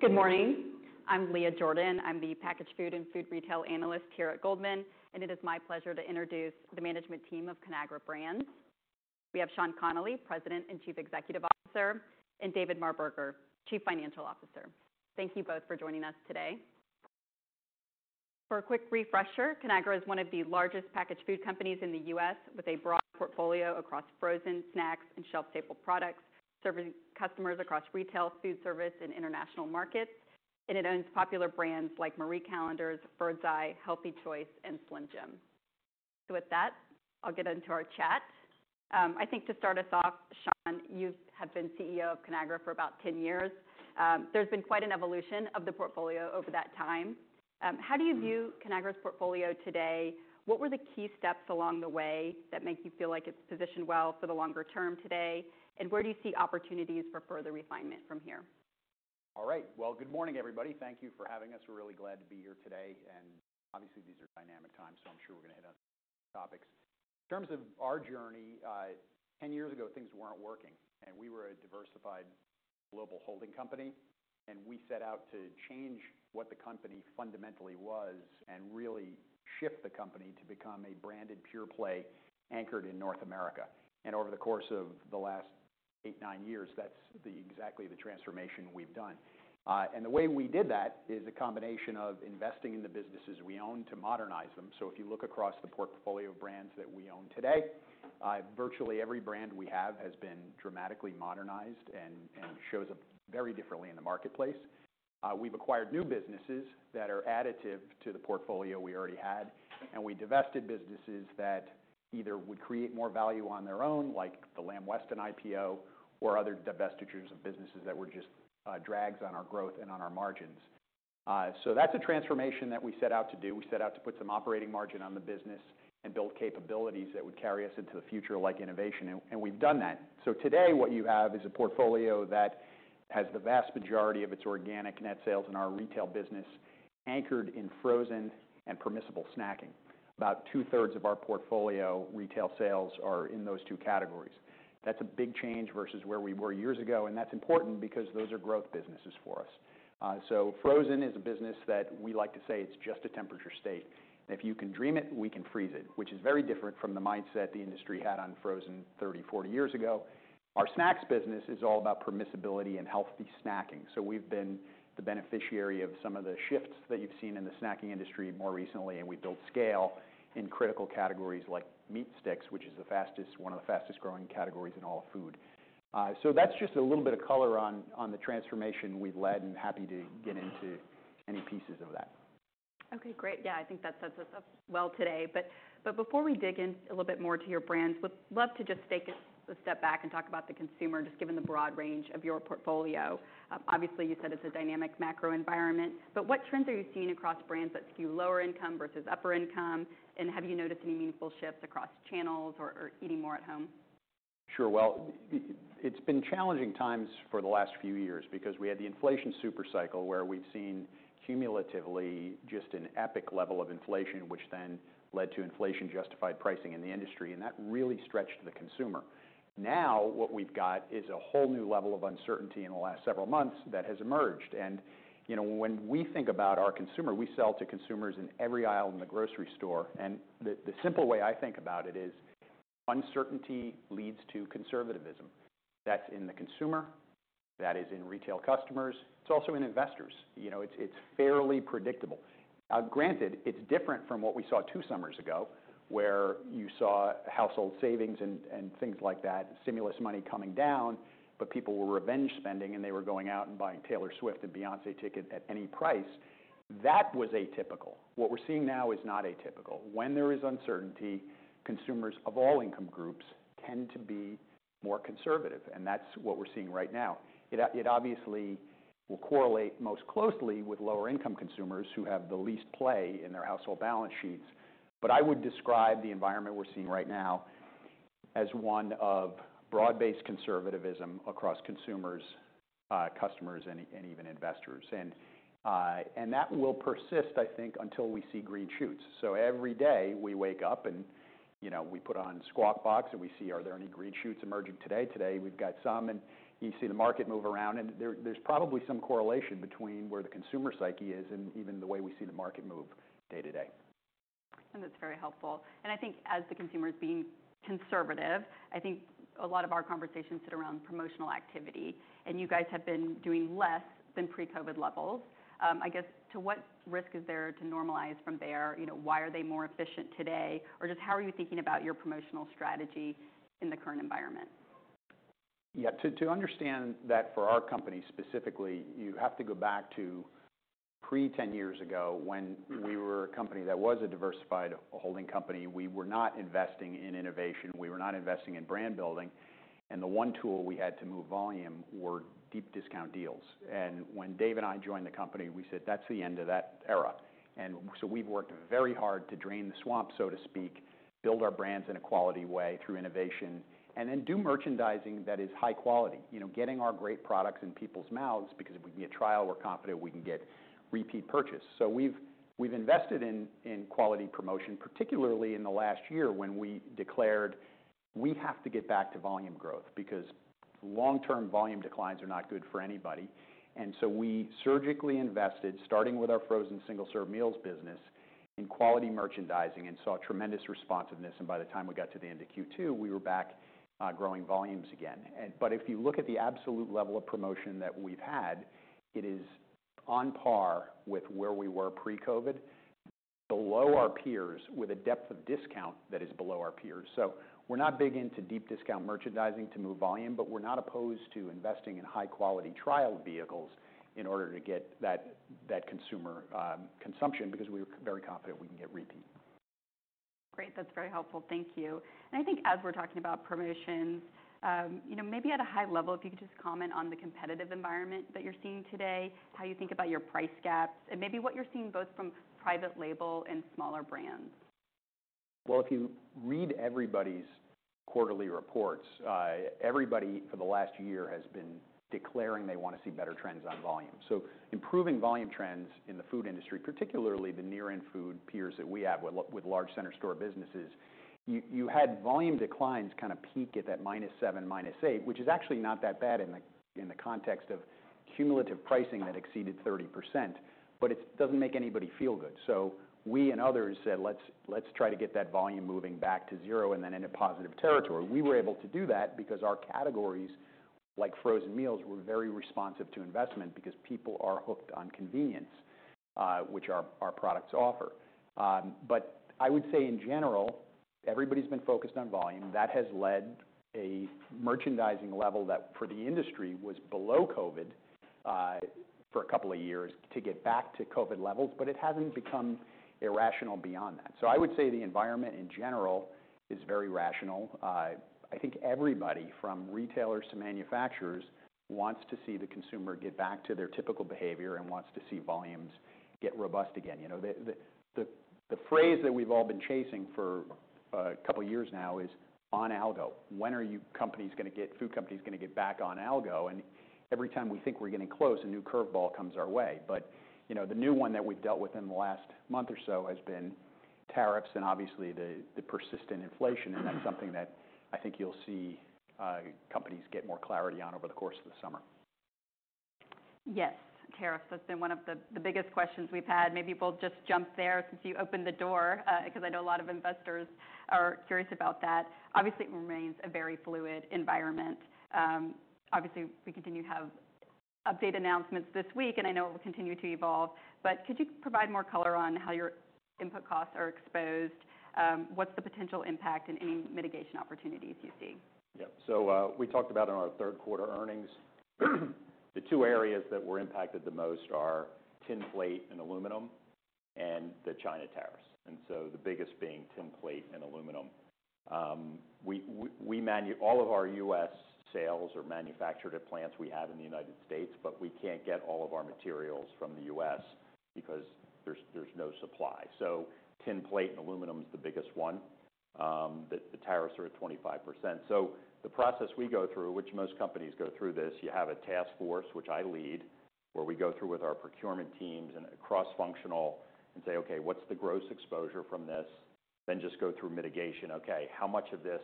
Good morning. I'm Leah Jordan. I'm the packaged food and food retail analyst here at Goldman, and it is my pleasure to introduce the management team of Conagra Brands. We have Sean Connolly, President and Chief Executive Officer, and David Marberger, Chief Financial Officer. Thank you both for joining us today. For a quick refresher, Conagra is one of the largest packaged food companies in the U.S., with a broad portfolio across frozen, snacks, and shelf-stable products, serving customers across retail, food service, and international markets. It owns popular brands like Marie Callender's, Birds Eye, Healthy Choice, and Slim Jim. With that, I'll get into our chat. I think to start us off, Sean, you have been CEO of Conagra for about 10 years. There's been quite an evolution of the portfolio over that time. How do you view Conagra's portfolio today? What were the key steps along the way that make you feel like it's positioned well for the longer term today? Where do you see opportunities for further refinement from here? All right. Good morning, everybody. Thank you for having us. We're really glad to be here today. Obviously, these are dynamic times, so I'm sure we're going to hit on some topics. In terms of our journey, 10 years ago, things weren't working, and we were a diversified global holding company. We set out to change what the company fundamentally was and really shift the company to become a branded pure play anchored in North America. Over the course of the last eight, nine years, that's exactly the transformation we've done. The way we did that is a combination of investing in the businesses we own to modernize them. If you look across the portfolio of brands that we own today, virtually every brand we have has been dramatically modernized and shows up very differently in the marketplace. We've acquired new businesses that are additive to the portfolio we already had, and we divested businesses that either would create more value on their own, like the Lamb Weston IPO, or other divestitures of businesses that were just drags on our growth and on our margins. That's a transformation that we set out to do. We set out to put some operating margin on the business and build capabilities that would carry us into the future, like innovation. We've done that. Today, what you have is a portfolio that has the vast majority of its organic net sales in our retail business anchored in frozen and permissible snacking. About 2/3 of our portfolio retail sales are in those two categories. That's a big change versus where we were years ago, and that's important because those are growth businesses for us. Frozen is a business that we like to say it's just a temperature state. If you can dream it, we can freeze it, which is very different from the mindset the industry had on frozen 30, 40 years ago. Our snacks business is all about permissibility and healthy snacking. We've been the beneficiary of some of the shifts that you've seen in the snacking industry more recently, and we've built scale in critical categories like meat sticks, which is one of the fastest growing categories in all food. That's just a little bit of color on the transformation we've led, and happy to get into any pieces of that. Okay, great. Yeah, I think that sets us up well today. Before we dig in a little bit more to your brands, we'd love to just take a step back and talk about the consumer, just given the broad range of your portfolio. Obviously, you said it's a dynamic macro environment, but what trends are you seeing across brands that skew lower income versus upper income? Have you noticed any meaningful shifts across channels or eating more at home? Sure. It has been challenging times for the last few years because we had the inflation supercycle where we have seen cumulatively just an epic level of inflation, which then led to inflation-justified pricing in the industry, and that really stretched the consumer. Now what we have got is a whole new level of uncertainty in the last several months that has emerged. When we think about our consumer, we sell to consumers in every aisle in the grocery store. The simple way I think about it is uncertainty leads to conservatism. That is in the consumer. That is in retail customers. It is also in investors. It is fairly predictable. Granted, it's different from what we saw two summers ago, where you saw household savings and things like that, stimulus money coming down, but people were revenge spending, and they were going out and buying Taylor Swift and Beyoncé tickets at any price. That was atypical. What we're seeing now is not atypical. When there is uncertainty, consumers of all income groups tend to be more conservative, and that's what we're seeing right now. It obviously will correlate most closely with lower income consumers who have the least play in their household balance sheets. I would describe the environment we're seeing right now as one of broad-based conservatism across consumers, customers, and even investors. That will persist, I think, until we see green shoots. Every day we wake up and we put on Squawk Box and we see, are there any green shoots emerging today? Today we've got some, and you see the market move around. There's probably some correlation between where the consumer psyche is and even the way we see the market move day to day. That is very helpful. I think as the consumer is being conservative, I think a lot of our conversations sit around promotional activity, and you guys have been doing less than pre-COVID levels. I guess to what risk is there to normalize from there? Why are they more efficient today? Or just how are you thinking about your promotional strategy in the current environment? Yeah, to understand that for our company specifically, you have to go back to pre-10 years ago when we were a company that was a diversified holding company. We were not investing in innovation. We were not investing in brand building. The one tool we had to move volume were deep discount deals. When Dave and I joined the company, we said, that's the end of that era. We have worked very hard to drain the swamp, so to speak, build our brands in a quality way through innovation, and then do merchandising that is high quality, getting our great products in people's mouths because if we can get trial, we're confident we can get repeat purchase. We have invested in quality promotion, particularly in the last year when we declared we have to get back to volume growth because long-term volume declines are not good for anybody. We surgically invested, starting with our frozen single-serve meals business, in quality merchandising and saw tremendous responsiveness. By the time we got to the end of Q2, we were back growing volumes again. If you look at the absolute level of promotion that we have had, it is on par with where we were pre-COVID, below our peers with a depth of discount that is below our peers. We are not big into deep discount merchandising to move volume, but we are not opposed to investing in high-quality trial vehicles in order to get that consumer consumption because we are very confident we can get repeat. Great. That's very helpful. Thank you. I think as we're talking about promotions, maybe at a high level, if you could just comment on the competitive environment that you're seeing today, how you think about your price gaps, and maybe what you're seeing both from private label and smaller brands. If you read everybody's quarterly reports, everybody for the last year has been declaring they want to see better trends on volume. Improving volume trends in the food industry, particularly the near-in-food peers that we have with large center store businesses, you had volume declines kind of peak at that -7, -8, which is actually not that bad in the context of cumulative pricing that exceeded 30%. It does not make anybody feel good. We and others said, let's try to get that volume moving back to zero and then into positive territory. We were able to do that because our categories like frozen meals were very responsive to investment because people are hooked on convenience, which our products offer. I would say in general, everybody's been focused on volume. That has led a merchandising level that for the industry was below COVID for a couple of years to get back to COVID levels, but it has not become irrational beyond that. I would say the environment in general is very rational. I think everybody from retailers to manufacturers wants to see the consumer get back to their typical behavior and wants to see volumes get robust again. The phrase that we have all been chasing for a couple of years now is on algo. When are you companies going to get, food companies going to get back on algo? Every time we think we are getting close, a new curveball comes our way. The new one that we have dealt with in the last month or so has been tariffs and obviously the persistent inflation. That's something that I think you'll see companies get more clarity on over the course of the summer. Yes, tariffs has been one of the biggest questions we've had. Maybe we'll just jump there since you opened the door because I know a lot of investors are curious about that. Obviously, it remains a very fluid environment. Obviously, we continue to have update announcements this week, and I know it will continue to evolve. Could you provide more color on how your input costs are exposed? What's the potential impact and any mitigation opportunities you see? Yeah, so we talked about in our third quarter earnings, the two areas that were impacted the most are tin plate and aluminum and the China tariffs. The biggest being tin plate and aluminum. All of our U.S. sales are manufactured at plants we have in the United States, but we can't get all of our materials from the U.S. because there's no supply. Tin plate and aluminum is the biggest one. The tariffs are at 25%. The process we go through, which most companies go through this, you have a task force, which I lead, where we go through with our procurement teams and cross-functional and say, okay, what's the gross exposure from this? Then just go through mitigation. Okay, how much of this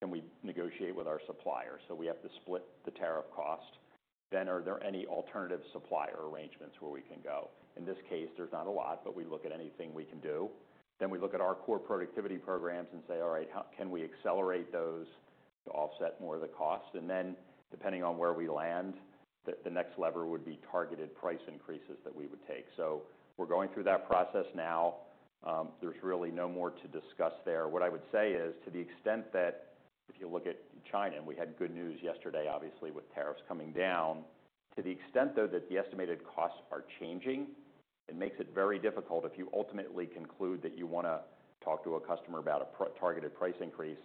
can we negotiate with our supplier? We have to split the tariff cost. Are there any alternative supplier arrangements where we can go? In this case, there is not a lot, but we look at anything we can do. We look at our core productivity programs and say, all right, can we accelerate those to offset more of the cost? Depending on where we land, the next lever would be targeted price increases that we would take. We are going through that process now. There is really no more to discuss there. What I would say is to the extent that if you look at China, and we had good news yesterday, obviously, with tariffs coming down, to the extent though that the estimated costs are changing, it makes it very difficult if you ultimately conclude that you want to talk to a customer about a targeted price increase.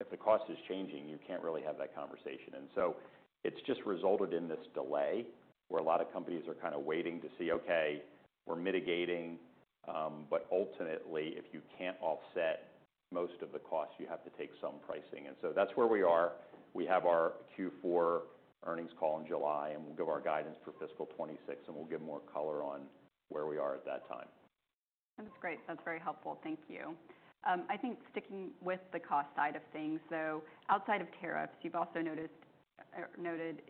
If the cost is changing, you cannot really have that conversation. It has just resulted in this delay where a lot of companies are kind of waiting to see, okay, we're mitigating, but ultimately, if you can't offset most of the costs, you have to take some pricing. That is where we are. We have our Q4 earnings call in July, and we'll give our guidance for fiscal 2026, and we'll give more color on where we are at that time. That's great. That's very helpful. Thank you. I think sticking with the cost side of things, though, outside of tariffs, you've also noted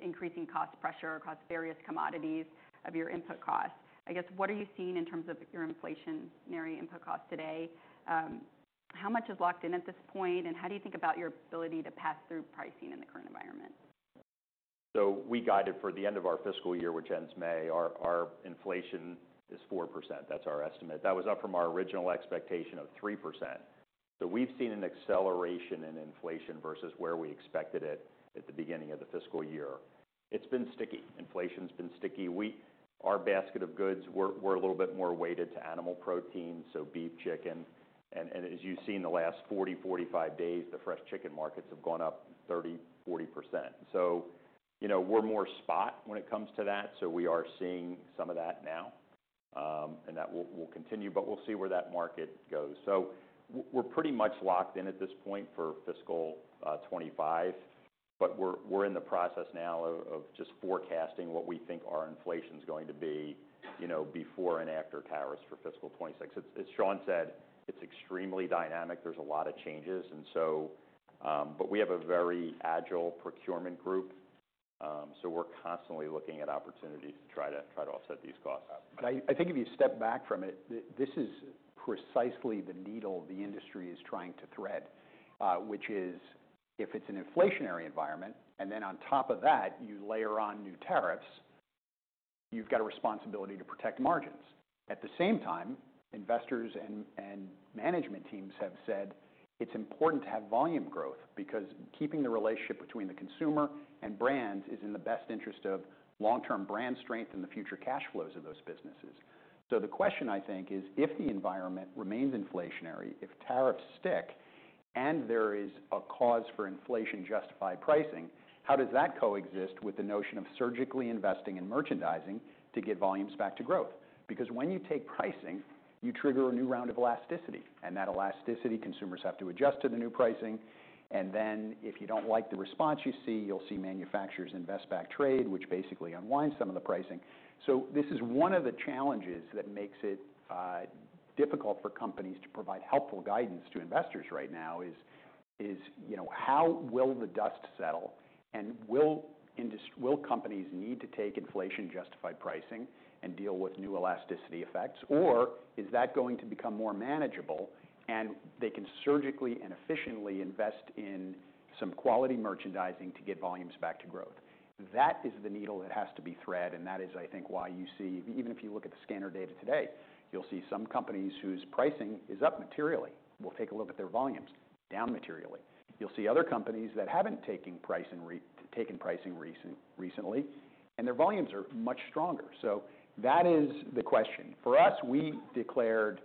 increasing cost pressure across various commodities of your input costs. I guess what are you seeing in terms of your inflationary input costs today? How much is locked in at this point, and how do you think about your ability to pass through pricing in the current environment? We guided for the end of our fiscal year, which ends May, our inflation is 4%. That's our estimate. That was up from our original expectation of 3%. We have seen an acceleration in inflation versus where we expected it at the beginning of the fiscal year. It's been sticky. Inflation's been sticky. Our basket of goods, we're a little bit more weighted to animal protein, so beef, chicken. As you've seen the last 40 days-45 days, the fresh chicken markets have gone up 30%-40%. We're more spot when it comes to that. We are seeing some of that now, and that will continue, but we'll see where that market goes. We're pretty much locked in at this point for fiscal 2025, but we're in the process now of just forecasting what we think our inflation's going to be before and after tariffs for fiscal 2026. As Sean said, it's extremely dynamic. There's a lot of changes. We have a very agile procurement group, so we're constantly looking at opportunities to try to offset these costs. I think if you step back from it, this is precisely the needle the industry is trying to thread, which is if it's an inflationary environment, and then on top of that, you layer on new tariffs, you've got a responsibility to protect margins. At the same time, investors and management teams have said it's important to have volume growth because keeping the relationship between the consumer and brands is in the best interest of long-term brand strength and the future cash flows of those businesses. The question, I think, is if the environment remains inflationary, if tariffs stick, and there is a cause for inflation-justified pricing, how does that coexist with the notion of surgically investing in merchandising to get volumes back to growth? Because when you take pricing, you trigger a new round of elasticity, and that elasticity, consumers have to adjust to the new pricing. If you do not like the response you see, you'll see manufacturers invest back trade, which basically unwinds some of the pricing. This is one of the challenges that makes it difficult for companies to provide helpful guidance to investors right now. How will the dust settle, and will companies need to take inflation-justified pricing and deal with new elasticity effects? Or is that going to become more manageable, and they can surgically and efficiently invest in some quality merchandising to get volumes back to growth? That is the needle that has to be thread, and that is, I think, why you see, even if you look at the scanner data today, you'll see some companies whose pricing is up materially. Take a look at their volumes, down materially. You'll see other companies that have not taken pricing recently, and their volumes are much stronger. That is the question. For us, we declared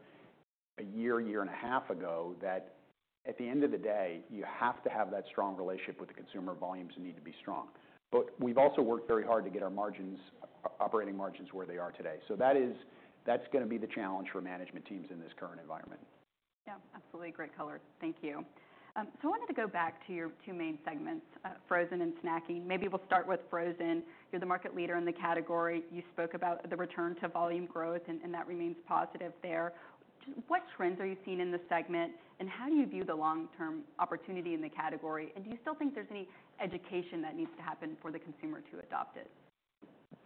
a year, year and a half ago that at the end of the day, you have to have that strong relationship with the consumer. Volumes need to be strong. We have also worked very hard to get our margins, operating margins where they are today. That is going to be the challenge for management teams in this current environment. Yeah, absolutely. Great color. Thank you. I wanted to go back to your two main segments, frozen and snacking. Maybe we'll start with frozen. You're the market leader in the category. You spoke about the return to volume growth, and that remains positive there. What trends are you seeing in the segment, and how do you view the long-term opportunity in the category? Do you still think there's any education that needs to happen for the consumer to adopt it?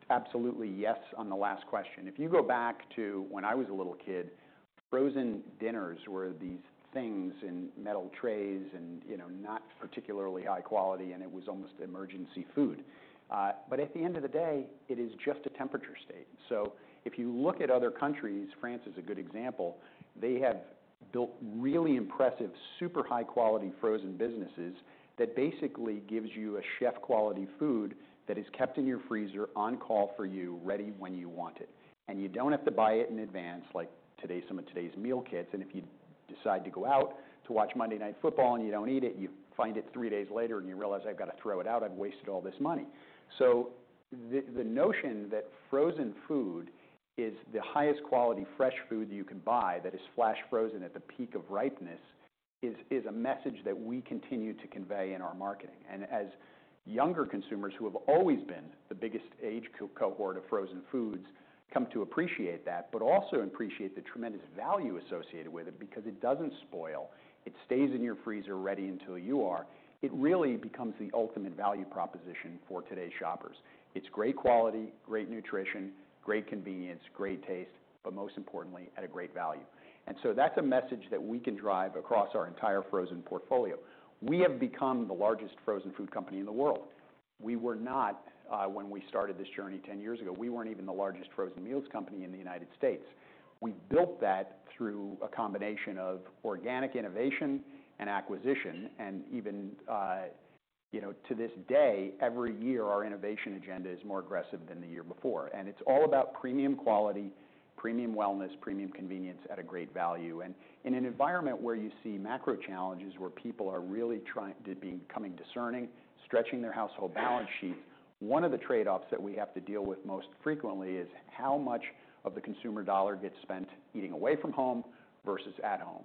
Absolutely. Yes on the last question. If you go back to when I was a little kid, frozen dinners were these things in metal trays and not particularly high quality, and it was almost emergency food. At the end of the day, it is just a temperature state. If you look at other countries, France is a good example. They have built really impressive, super high-quality frozen businesses that basically give you a chef-quality food that is kept in your freezer on call for you, ready when you want it. You do not have to buy it in advance like some of today's meal kits. If you decide to go out to watch Monday Night Football and you do not eat it, you find it three days later and you realize, I've got to throw it out. I've wasted all this money. The notion that frozen food is the highest quality fresh food that you can buy that is flash frozen at the peak of ripeness is a message that we continue to convey in our marketing. As younger consumers who have always been the biggest age cohort of frozen foods come to appreciate that, but also appreciate the tremendous value associated with it because it does not spoil. It stays in your freezer ready until you are. It really becomes the ultimate value proposition for today's shoppers. It is great quality, great nutrition, great convenience, great taste, but most importantly, at a great value. That is a message that we can drive across our entire frozen portfolio. We have become the largest frozen food company in the world. We were not when we started this journey ten years ago. We were not even the largest frozen meals company in the United States. We built that through a combination of organic innovation and acquisition. Even to this day, every year our innovation agenda is more aggressive than the year before. It is all about premium quality, premium wellness, premium convenience at a great value. In an environment where you see macro challenges where people are really becoming discerning, stretching their household balance sheets, one of the trade-offs that we have to deal with most frequently is how much of the consumer dollar gets spent eating away from home versus at home.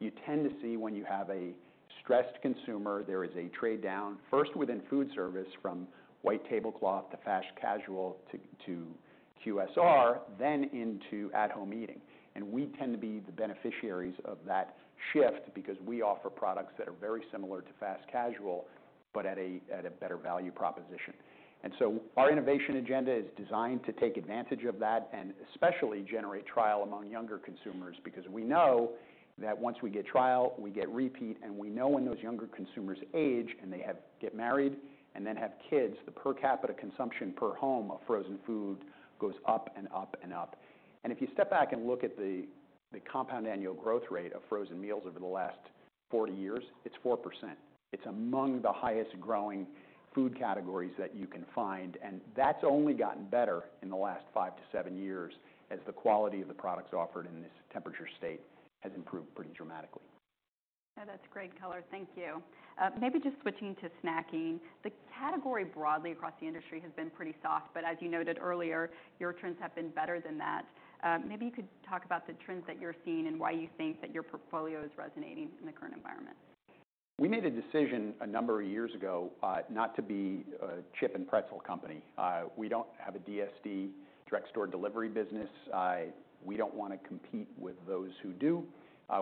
You tend to see when you have a stressed consumer, there is a trade down first within food service from white tablecloth to fast casual to QSR, then into at-home eating. We tend to be the beneficiaries of that shift because we offer products that are very similar to fast casual, but at a better value proposition. Our innovation agenda is designed to take advantage of that and especially generate trial among younger consumers because we know that once we get trial, we get repeat. We know when those younger consumers age and they get married and then have kids, the per capita consumption per home of frozen food goes up and up and up. If you step back and look at the compound annual growth rate of frozen meals over the last 40 years, it's 4%. It's among the highest growing food categories that you can find. That's only gotten better in the last five to seven years as the quality of the products offered in this temperature state has improved pretty dramatically. That's great color. Thank you. Maybe just switching to snacking. The category broadly across the industry has been pretty soft, but as you noted earlier, your trends have been better than that. Maybe you could talk about the trends that you're seeing and why you think that your portfolio is resonating in the current environment. We made a decision a number of years ago not to be a chip and pretzel company. We do not have a DSD, direct store delivery business. We do not want to compete with those who do.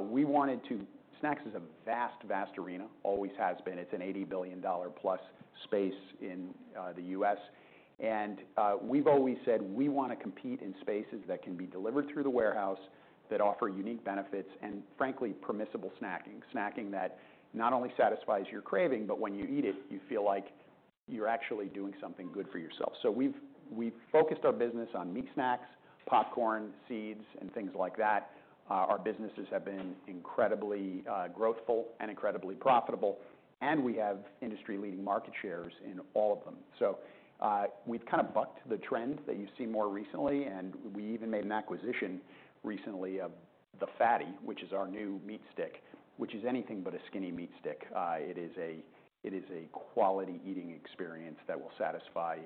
We wanted to—snacks is a vast, vast arena, always has been. It is an $80 billion plus space in the U.S. We have always said we want to compete in spaces that can be delivered through the warehouse, that offer unique benefits, and frankly, permissible snacking. Snacking that not only satisfies your craving, but when you eat it, you feel like you are actually doing something good for yourself. We have focused our business on meat snacks, popcorn, seeds, and things like that. Our businesses have been incredibly growthful and incredibly profitable, and we have industry-leading market shares in all of them. We have kind of bucked the trend that you see more recently, and we even made an acquisition recently of the FATTY, which is our new meat stick, which is anything but a skinny meat stick. It is a quality eating experience that will satisfy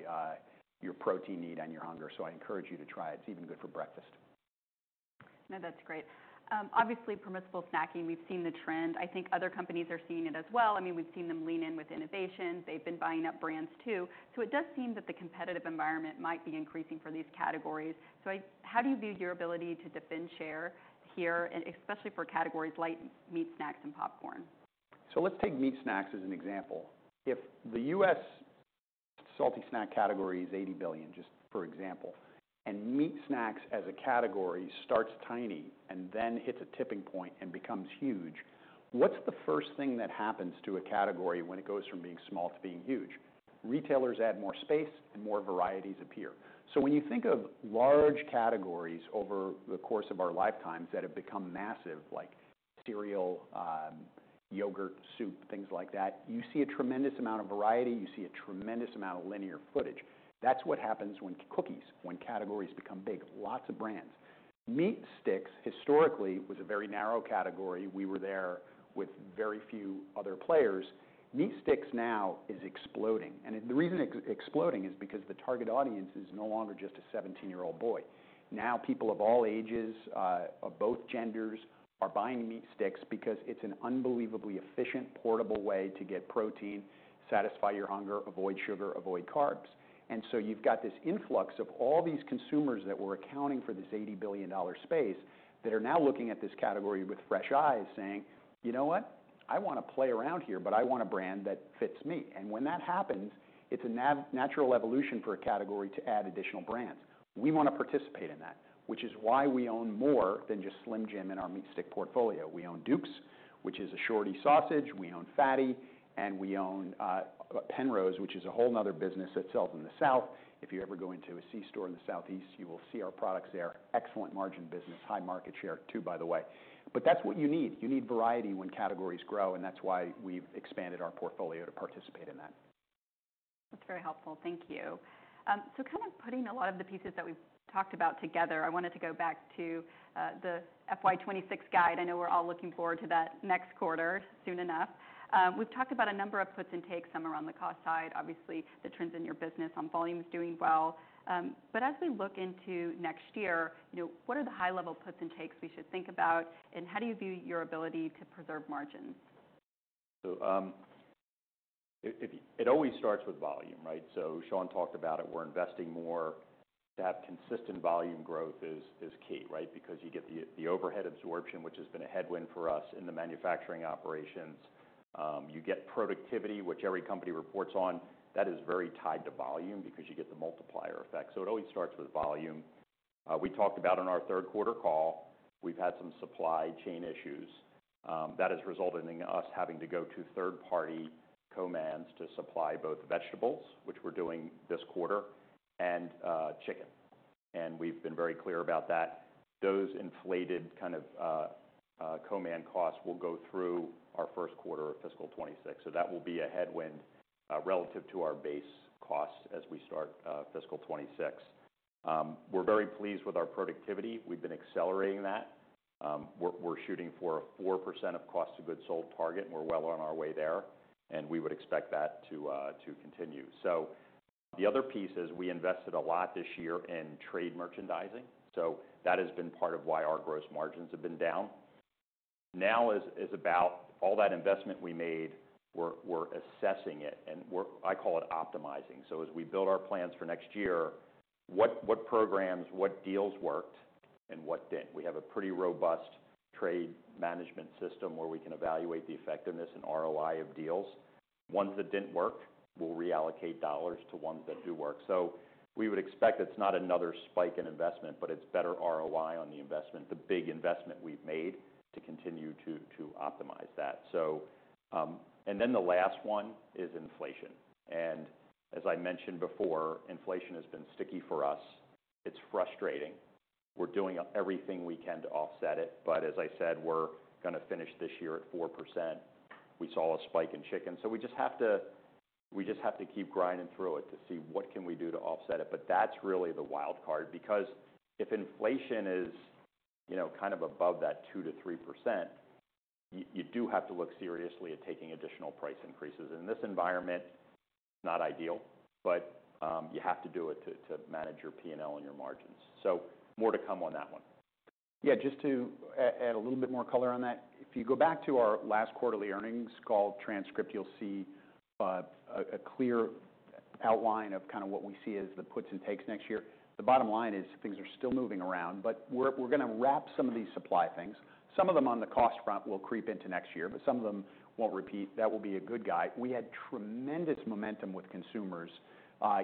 your protein need and your hunger. I encourage you to try it. It is even good for breakfast. No, that's great. Obviously, permissible snacking. We've seen the trend. I think other companies are seeing it as well. I mean, we've seen them lean in with innovations. They've been buying up brands too. It does seem that the competitive environment might be increasing for these categories. How do you view your ability to defend share here, especially for categories like meat snacks and popcorn? Let's take meat snacks as an example. If the U.S. salty snack category is $80 billion, just for example, and meat snacks as a category starts tiny and then hits a tipping point and becomes huge, what's the first thing that happens to a category when it goes from being small to being huge? Retailers add more space and more varieties appear. When you think of large categories over the course of our lifetimes that have become massive, like cereal, yogurt, soup, things like that, you see a tremendous amount of variety. You see a tremendous amount of linear footage. That's what happens when categories become big, lots of brands. Meat sticks historically was a very narrow category. We were there with very few other players. Meat sticks now is exploding. The reason it's exploding is because the target audience is no longer just a 17-year-old boy. Now people of all ages, of both genders, are buying meat sticks because it's an unbelievably efficient, portable way to get protein, satisfy your hunger, avoid sugar, avoid carbs. You have this influx of all these consumers that were accounting for this $80 billion space that are now looking at this category with fresh eyes, saying, you know what? I want to play around here, but I want a brand that fits me. When that happens, it's a natural evolution for a category to add additional brands. We want to participate in that, which is why we own more than just Slim Jim in our meat stick portfolio. We own Duke's, which is a shorty sausage. We own FATTY, and we own Penrose, which is a whole nother business that sells in the South. If you ever go into a C-store in the Southeast, you will see our products there. Excellent margin business, high market share too, by the way. That is what you need. You need variety when categories grow, and that is why we have expanded our portfolio to participate in that. That's very helpful. Thank you. Kind of putting a lot of the pieces that we've talked about together, I wanted to go back to the FY 2026 guide. I know we're all looking forward to that next quarter soon enough. We've talked about a number of puts and takes, some around the cost side, obviously the trends in your business on volumes doing well. As we look into next year, what are the high-level puts and takes we should think about, and how do you view your ability to preserve margins? It always starts with volume, right? Sean talked about it. We're investing more to have consistent volume growth is key, right? You get the overhead absorption, which has been a headwind for us in the manufacturing operations. You get productivity, which every company reports on. That is very tied to volume because you get the multiplier effect. It always starts with volume. We talked about in our third quarter call, we've had some supply chain issues that have resulted in us having to go to third-party co-mans to supply both vegetables, which we're doing this quarter, and chicken. We've been very clear about that. Those inflated kind of co-man costs will go through our first quarter of fiscal 2026. That will be a headwind relative to our base costs as we start fiscal 2026. We're very pleased with our productivity. We've been accelerating that. We're shooting for a 4% of cost-to-goods sold target, and we're well on our way there. We would expect that to continue. The other piece is we invested a lot this year in trade merchandising. That has been part of why our gross margins have been down. Now is about all that investment we made, we're assessing it, and I call it optimizing. As we build our plans for next year, what programs, what deals worked, and what didn't. We have a pretty robust trade management system where we can evaluate the effectiveness and ROI of deals. Ones that didn't work, we'll reallocate dollars to ones that do work. We would expect it's not another spike in investment, but it's better ROI on the investment, the big investment we've made to continue to optimize that. The last one is inflation. As I mentioned before, inflation has been sticky for us. It is frustrating. We are doing everything we can to offset it. As I said, we are going to finish this year at 4%. We saw a spike in chicken. We just have to keep grinding through it to see what we can do to offset it. That is really the wild card because if inflation is kind of above that 2%-3%, you do have to look seriously at taking additional price increases. In this environment, it is not ideal, but you have to do it to manage your P&L and your margins. More to come on that one. Yeah, just to add a little bit more color on that, if you go back to our last quarterly earnings call transcript, you'll see a clear outline of kind of what we see as the puts and takes next year. The bottom line is things are still moving around, but we're going to wrap some of these supply things. Some of them on the cost front will creep into next year, but some of them won't repeat. That will be a good guide. We had tremendous momentum with consumers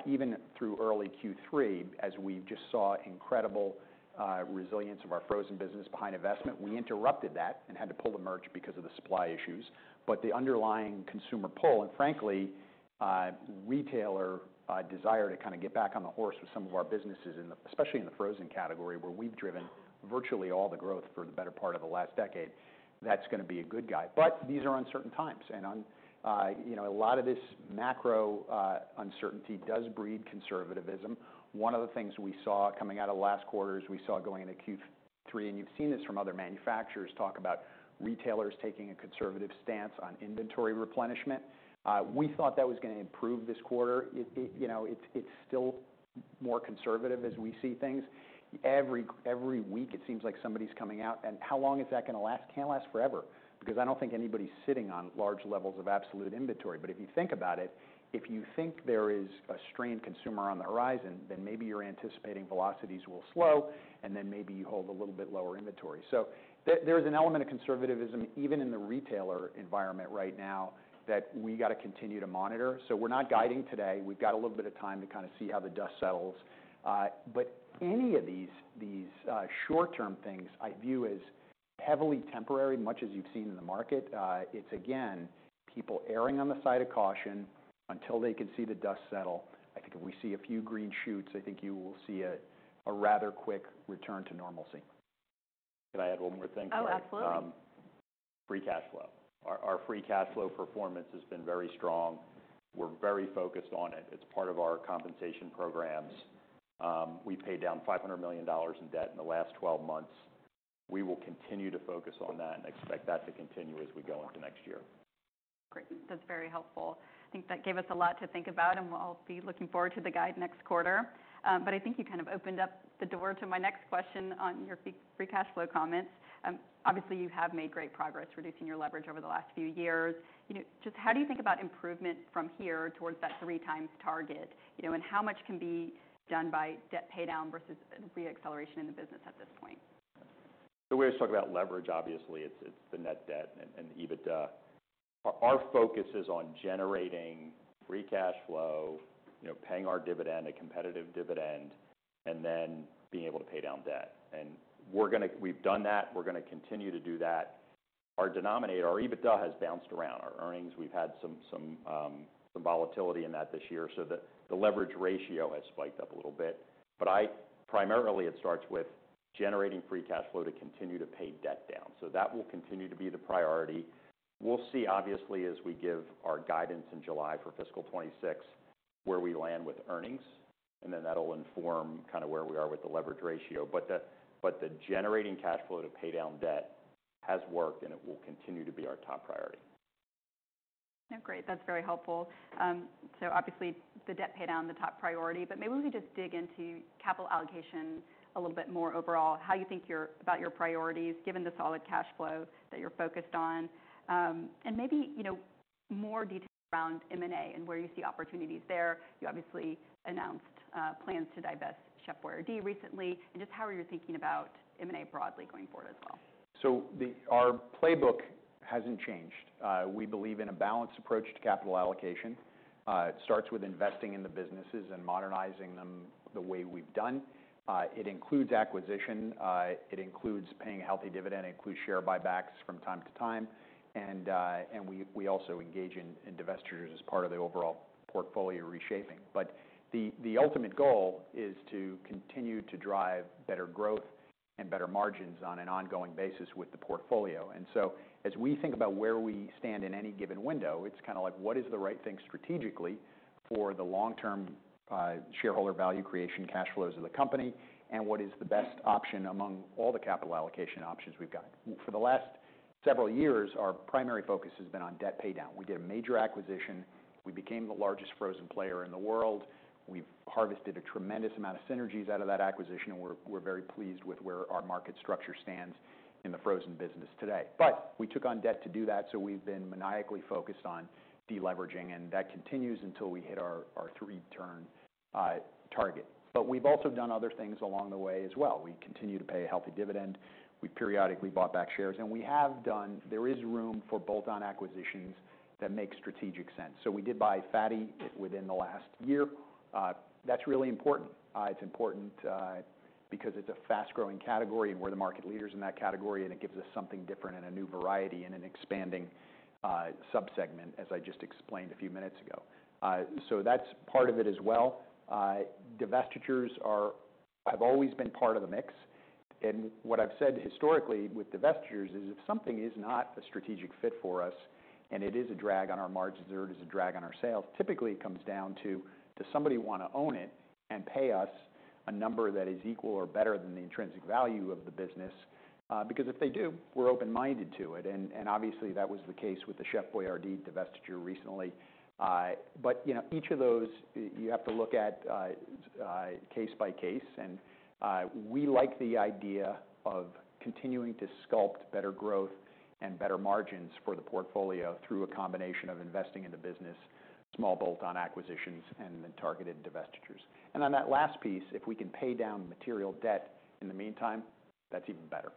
even through early Q3, as we just saw incredible resilience of our frozen business behind investment. We interrupted that and had to pull the merch because of the supply issues. The underlying consumer pull, and frankly, retailer desire to kind of get back on the horse with some of our businesses, especially in the frozen category, where we've driven virtually all the growth for the better part of the last decade, that's going to be a good guide. These are uncertain times. A lot of this macro uncertainty does breed conservatism. One of the things we saw coming out of last quarter is we saw going into Q3, and you've seen this from other manufacturers talk about retailers taking a conservative stance on inventory replenishment. We thought that was going to improve this quarter. It's still more conservative as we see things. Every week, it seems like somebody's coming out. How long is that going to last? Can't last forever because I don't think anybody's sitting on large levels of absolute inventory. If you think about it, if you think there is a strained consumer on the horizon, then maybe you're anticipating velocities will slow, and then maybe you hold a little bit lower inventory. There is an element of conservatism even in the retailer environment right now that we have to continue to monitor. We are not guiding today. We have a little bit of time to kind of see how the dust settles. Any of these short-term things I view as heavily temporary, much as you have seen in the market. It is, again, people erring on the side of caution until they can see the dust settle. I think if we see a few green shoots, I think you will see a rather quick return to normalcy. Can I add one more thing? Oh, absolutely. Free cash flow. Our free cash flow performance has been very strong. We're very focused on it. It's part of our compensation programs. We paid down $500 million in debt in the last 12 months. We will continue to focus on that and expect that to continue as we go into next year. Great. That's very helpful. I think that gave us a lot to think about, and I'll be looking forward to the guide next quarter. I think you kind of opened up the door to my next question on your free cash flow comments. Obviously, you have made great progress reducing your leverage over the last few years. Just how do you think about improvement from here towards that three-time target, and how much can be done by debt paydown versus reacceleration in the business at this point? We always talk about leverage, obviously. It's the net debt and EBITDA. Our focus is on generating free cash flow, paying our dividend, a competitive dividend, and then being able to pay down debt. We've done that. We're going to continue to do that. Our denominator, our EBITDA, has bounced around, our earnings. We've had some volatility in that this year. The leverage ratio has spiked up a little bit. Primarily, it starts with generating free cash flow to continue to pay debt down. That will continue to be the priority. We'll see, obviously, as we give our guidance in July for fiscal 2026, where we land with earnings, and then that'll inform kind of where we are with the leverage ratio. The generating cash flow to pay down debt has worked, and it will continue to be our top priority. Great. That's very helpful. Obviously, the debt paydown, the top priority, but maybe we could just dig into capital allocation a little bit more overall, how you think about your priorities given the solid cash flow that you're focused on, and maybe more detail around M&A and where you see opportunities there. You obviously announced plans to divest Chef Boyardee recently and just how are you thinking about M&A broadly going forward as well? Our playbook hasn't changed. We believe in a balanced approach to capital allocation. It starts with investing in the businesses and modernizing them the way we've done. It includes acquisition. It includes paying a healthy dividend. It includes share buybacks from time to time. We also engage in divestitures as part of the overall portfolio reshaping. The ultimate goal is to continue to drive better growth and better margins on an ongoing basis with the portfolio. As we think about where we stand in any given window, it's kind of like, what is the right thing strategically for the long-term shareholder value creation cash flows of the company, and what is the best option among all the capital allocation options we've got? For the last several years, our primary focus has been on debt paydown. We did a major acquisition. We became the largest frozen player in the world. We've harvested a tremendous amount of synergies out of that acquisition, and we're very pleased with where our market structure stands in the frozen business today. We took on debt to do that. We've been maniacally focused on deleveraging, and that continues until we hit our three-turn target. We've also done other things along the way as well. We continue to pay a healthy dividend. We've periodically bought back shares. There is room for bolt-on acquisitions that make strategic sense. We did buy Fatty within the last year. That's really important. It's important because it's a fast-growing category and we're the market leaders in that category, and it gives us something different and a new variety and an expanding subsegment, as I just explained a few minutes ago. That is part of it as well. Divestitures have always been part of the mix. What I have said historically with divestitures is if something is not a strategic fit for us and it is a drag on our margins or it is a drag on our sales, typically it comes down to does somebody want to own it and pay us a number that is equal or better than the intrinsic value of the business? Because if they do, we are open-minded to it. Obviously, that was the case with the Chef Boyardee divestiture recently. Each of those, you have to look at case by case. We like the idea of continuing to sculpt better growth and better margins for the portfolio through a combination of investing in the business, small bolt-on acquisitions, and then targeted divestitures. If we can pay down material debt in the meantime, that's even better.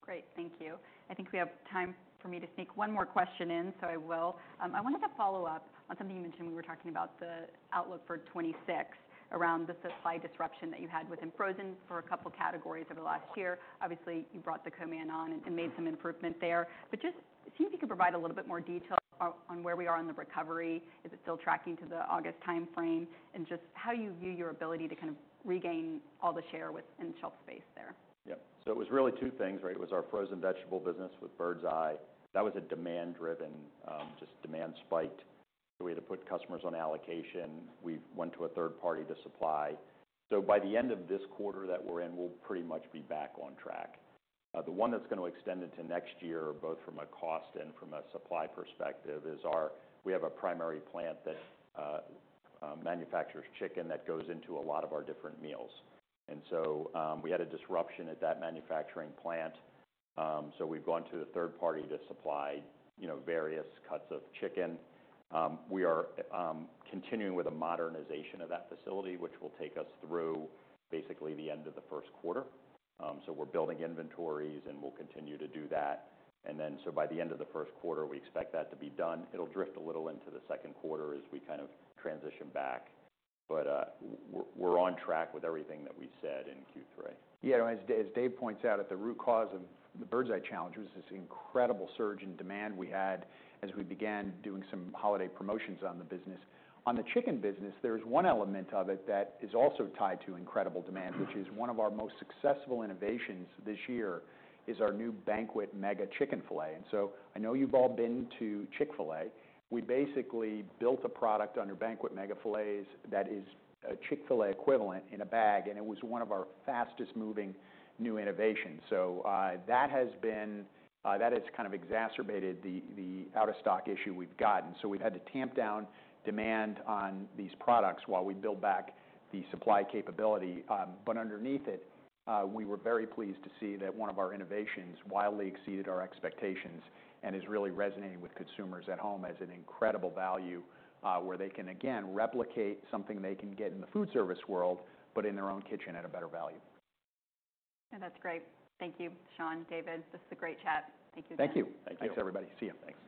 Great. Thank you. I think we have time for me to sneak one more question in, so I will. I wanted to follow up on something you mentioned. We were talking about the outlook for 2026 around the supply disruption that you had within frozen for a couple of categories over the last year. Obviously, you brought the co-man on and made some improvement there. Just see if you could provide a little bit more detail on where we are in the recovery. Is it still tracking to the August timeframe? Just how do you view your ability to kind of regain all the share in shelf space there? Yeah. It was really two things, right? It was our frozen vegetable business with Birds Eye. That was a demand-driven, just demand spiked. We had to put customers on allocation. We went to a third party to supply. By the end of this quarter that we're in, we'll pretty much be back on track. The one that's going to extend into next year, both from a cost and from a supply perspective, is we have a primary plant that manufactures chicken that goes into a lot of our different meals. We had a disruption at that manufacturing plant. We've gone to a third party to supply various cuts of chicken. We are continuing with a modernization of that facility, which will take us through basically the end of the first quarter. We're building inventories, and we'll continue to do that. By the end of the first quarter, we expect that to be done. It'll drift a little into the second quarter as we kind of transition back. We're on track with everything that we said in Q3. Yeah, as Dave points out, the root cause of the Birds Eye challenge was this incredible surge in demand we had as we began doing some holiday promotions on the business. On the chicken business, there's one element of it that is also tied to incredible demand, which is one of our most successful innovations this year is our new Banquet Mega Chicken Filet. I know you've all been to Chick-fil-A. We basically built a product under Banquet Mega Filet that is a Chick-fil-A equivalent in a bag, and it was one of our fastest-moving new innovations. That has kind of exacerbated the out-of-stock issue we've gotten. We've had to tamp down demand on these products while we build back the supply capability. Underneath it, we were very pleased to see that one of our innovations wildly exceeded our expectations and is really resonating with consumers at home as an incredible value where they can, again, replicate something they can get in the food service world, but in their own kitchen at a better value. Yeah, that's great. Thank you, Sean, David. This is a great chat. Thank you. Thank you. Thanks, everybody. See you.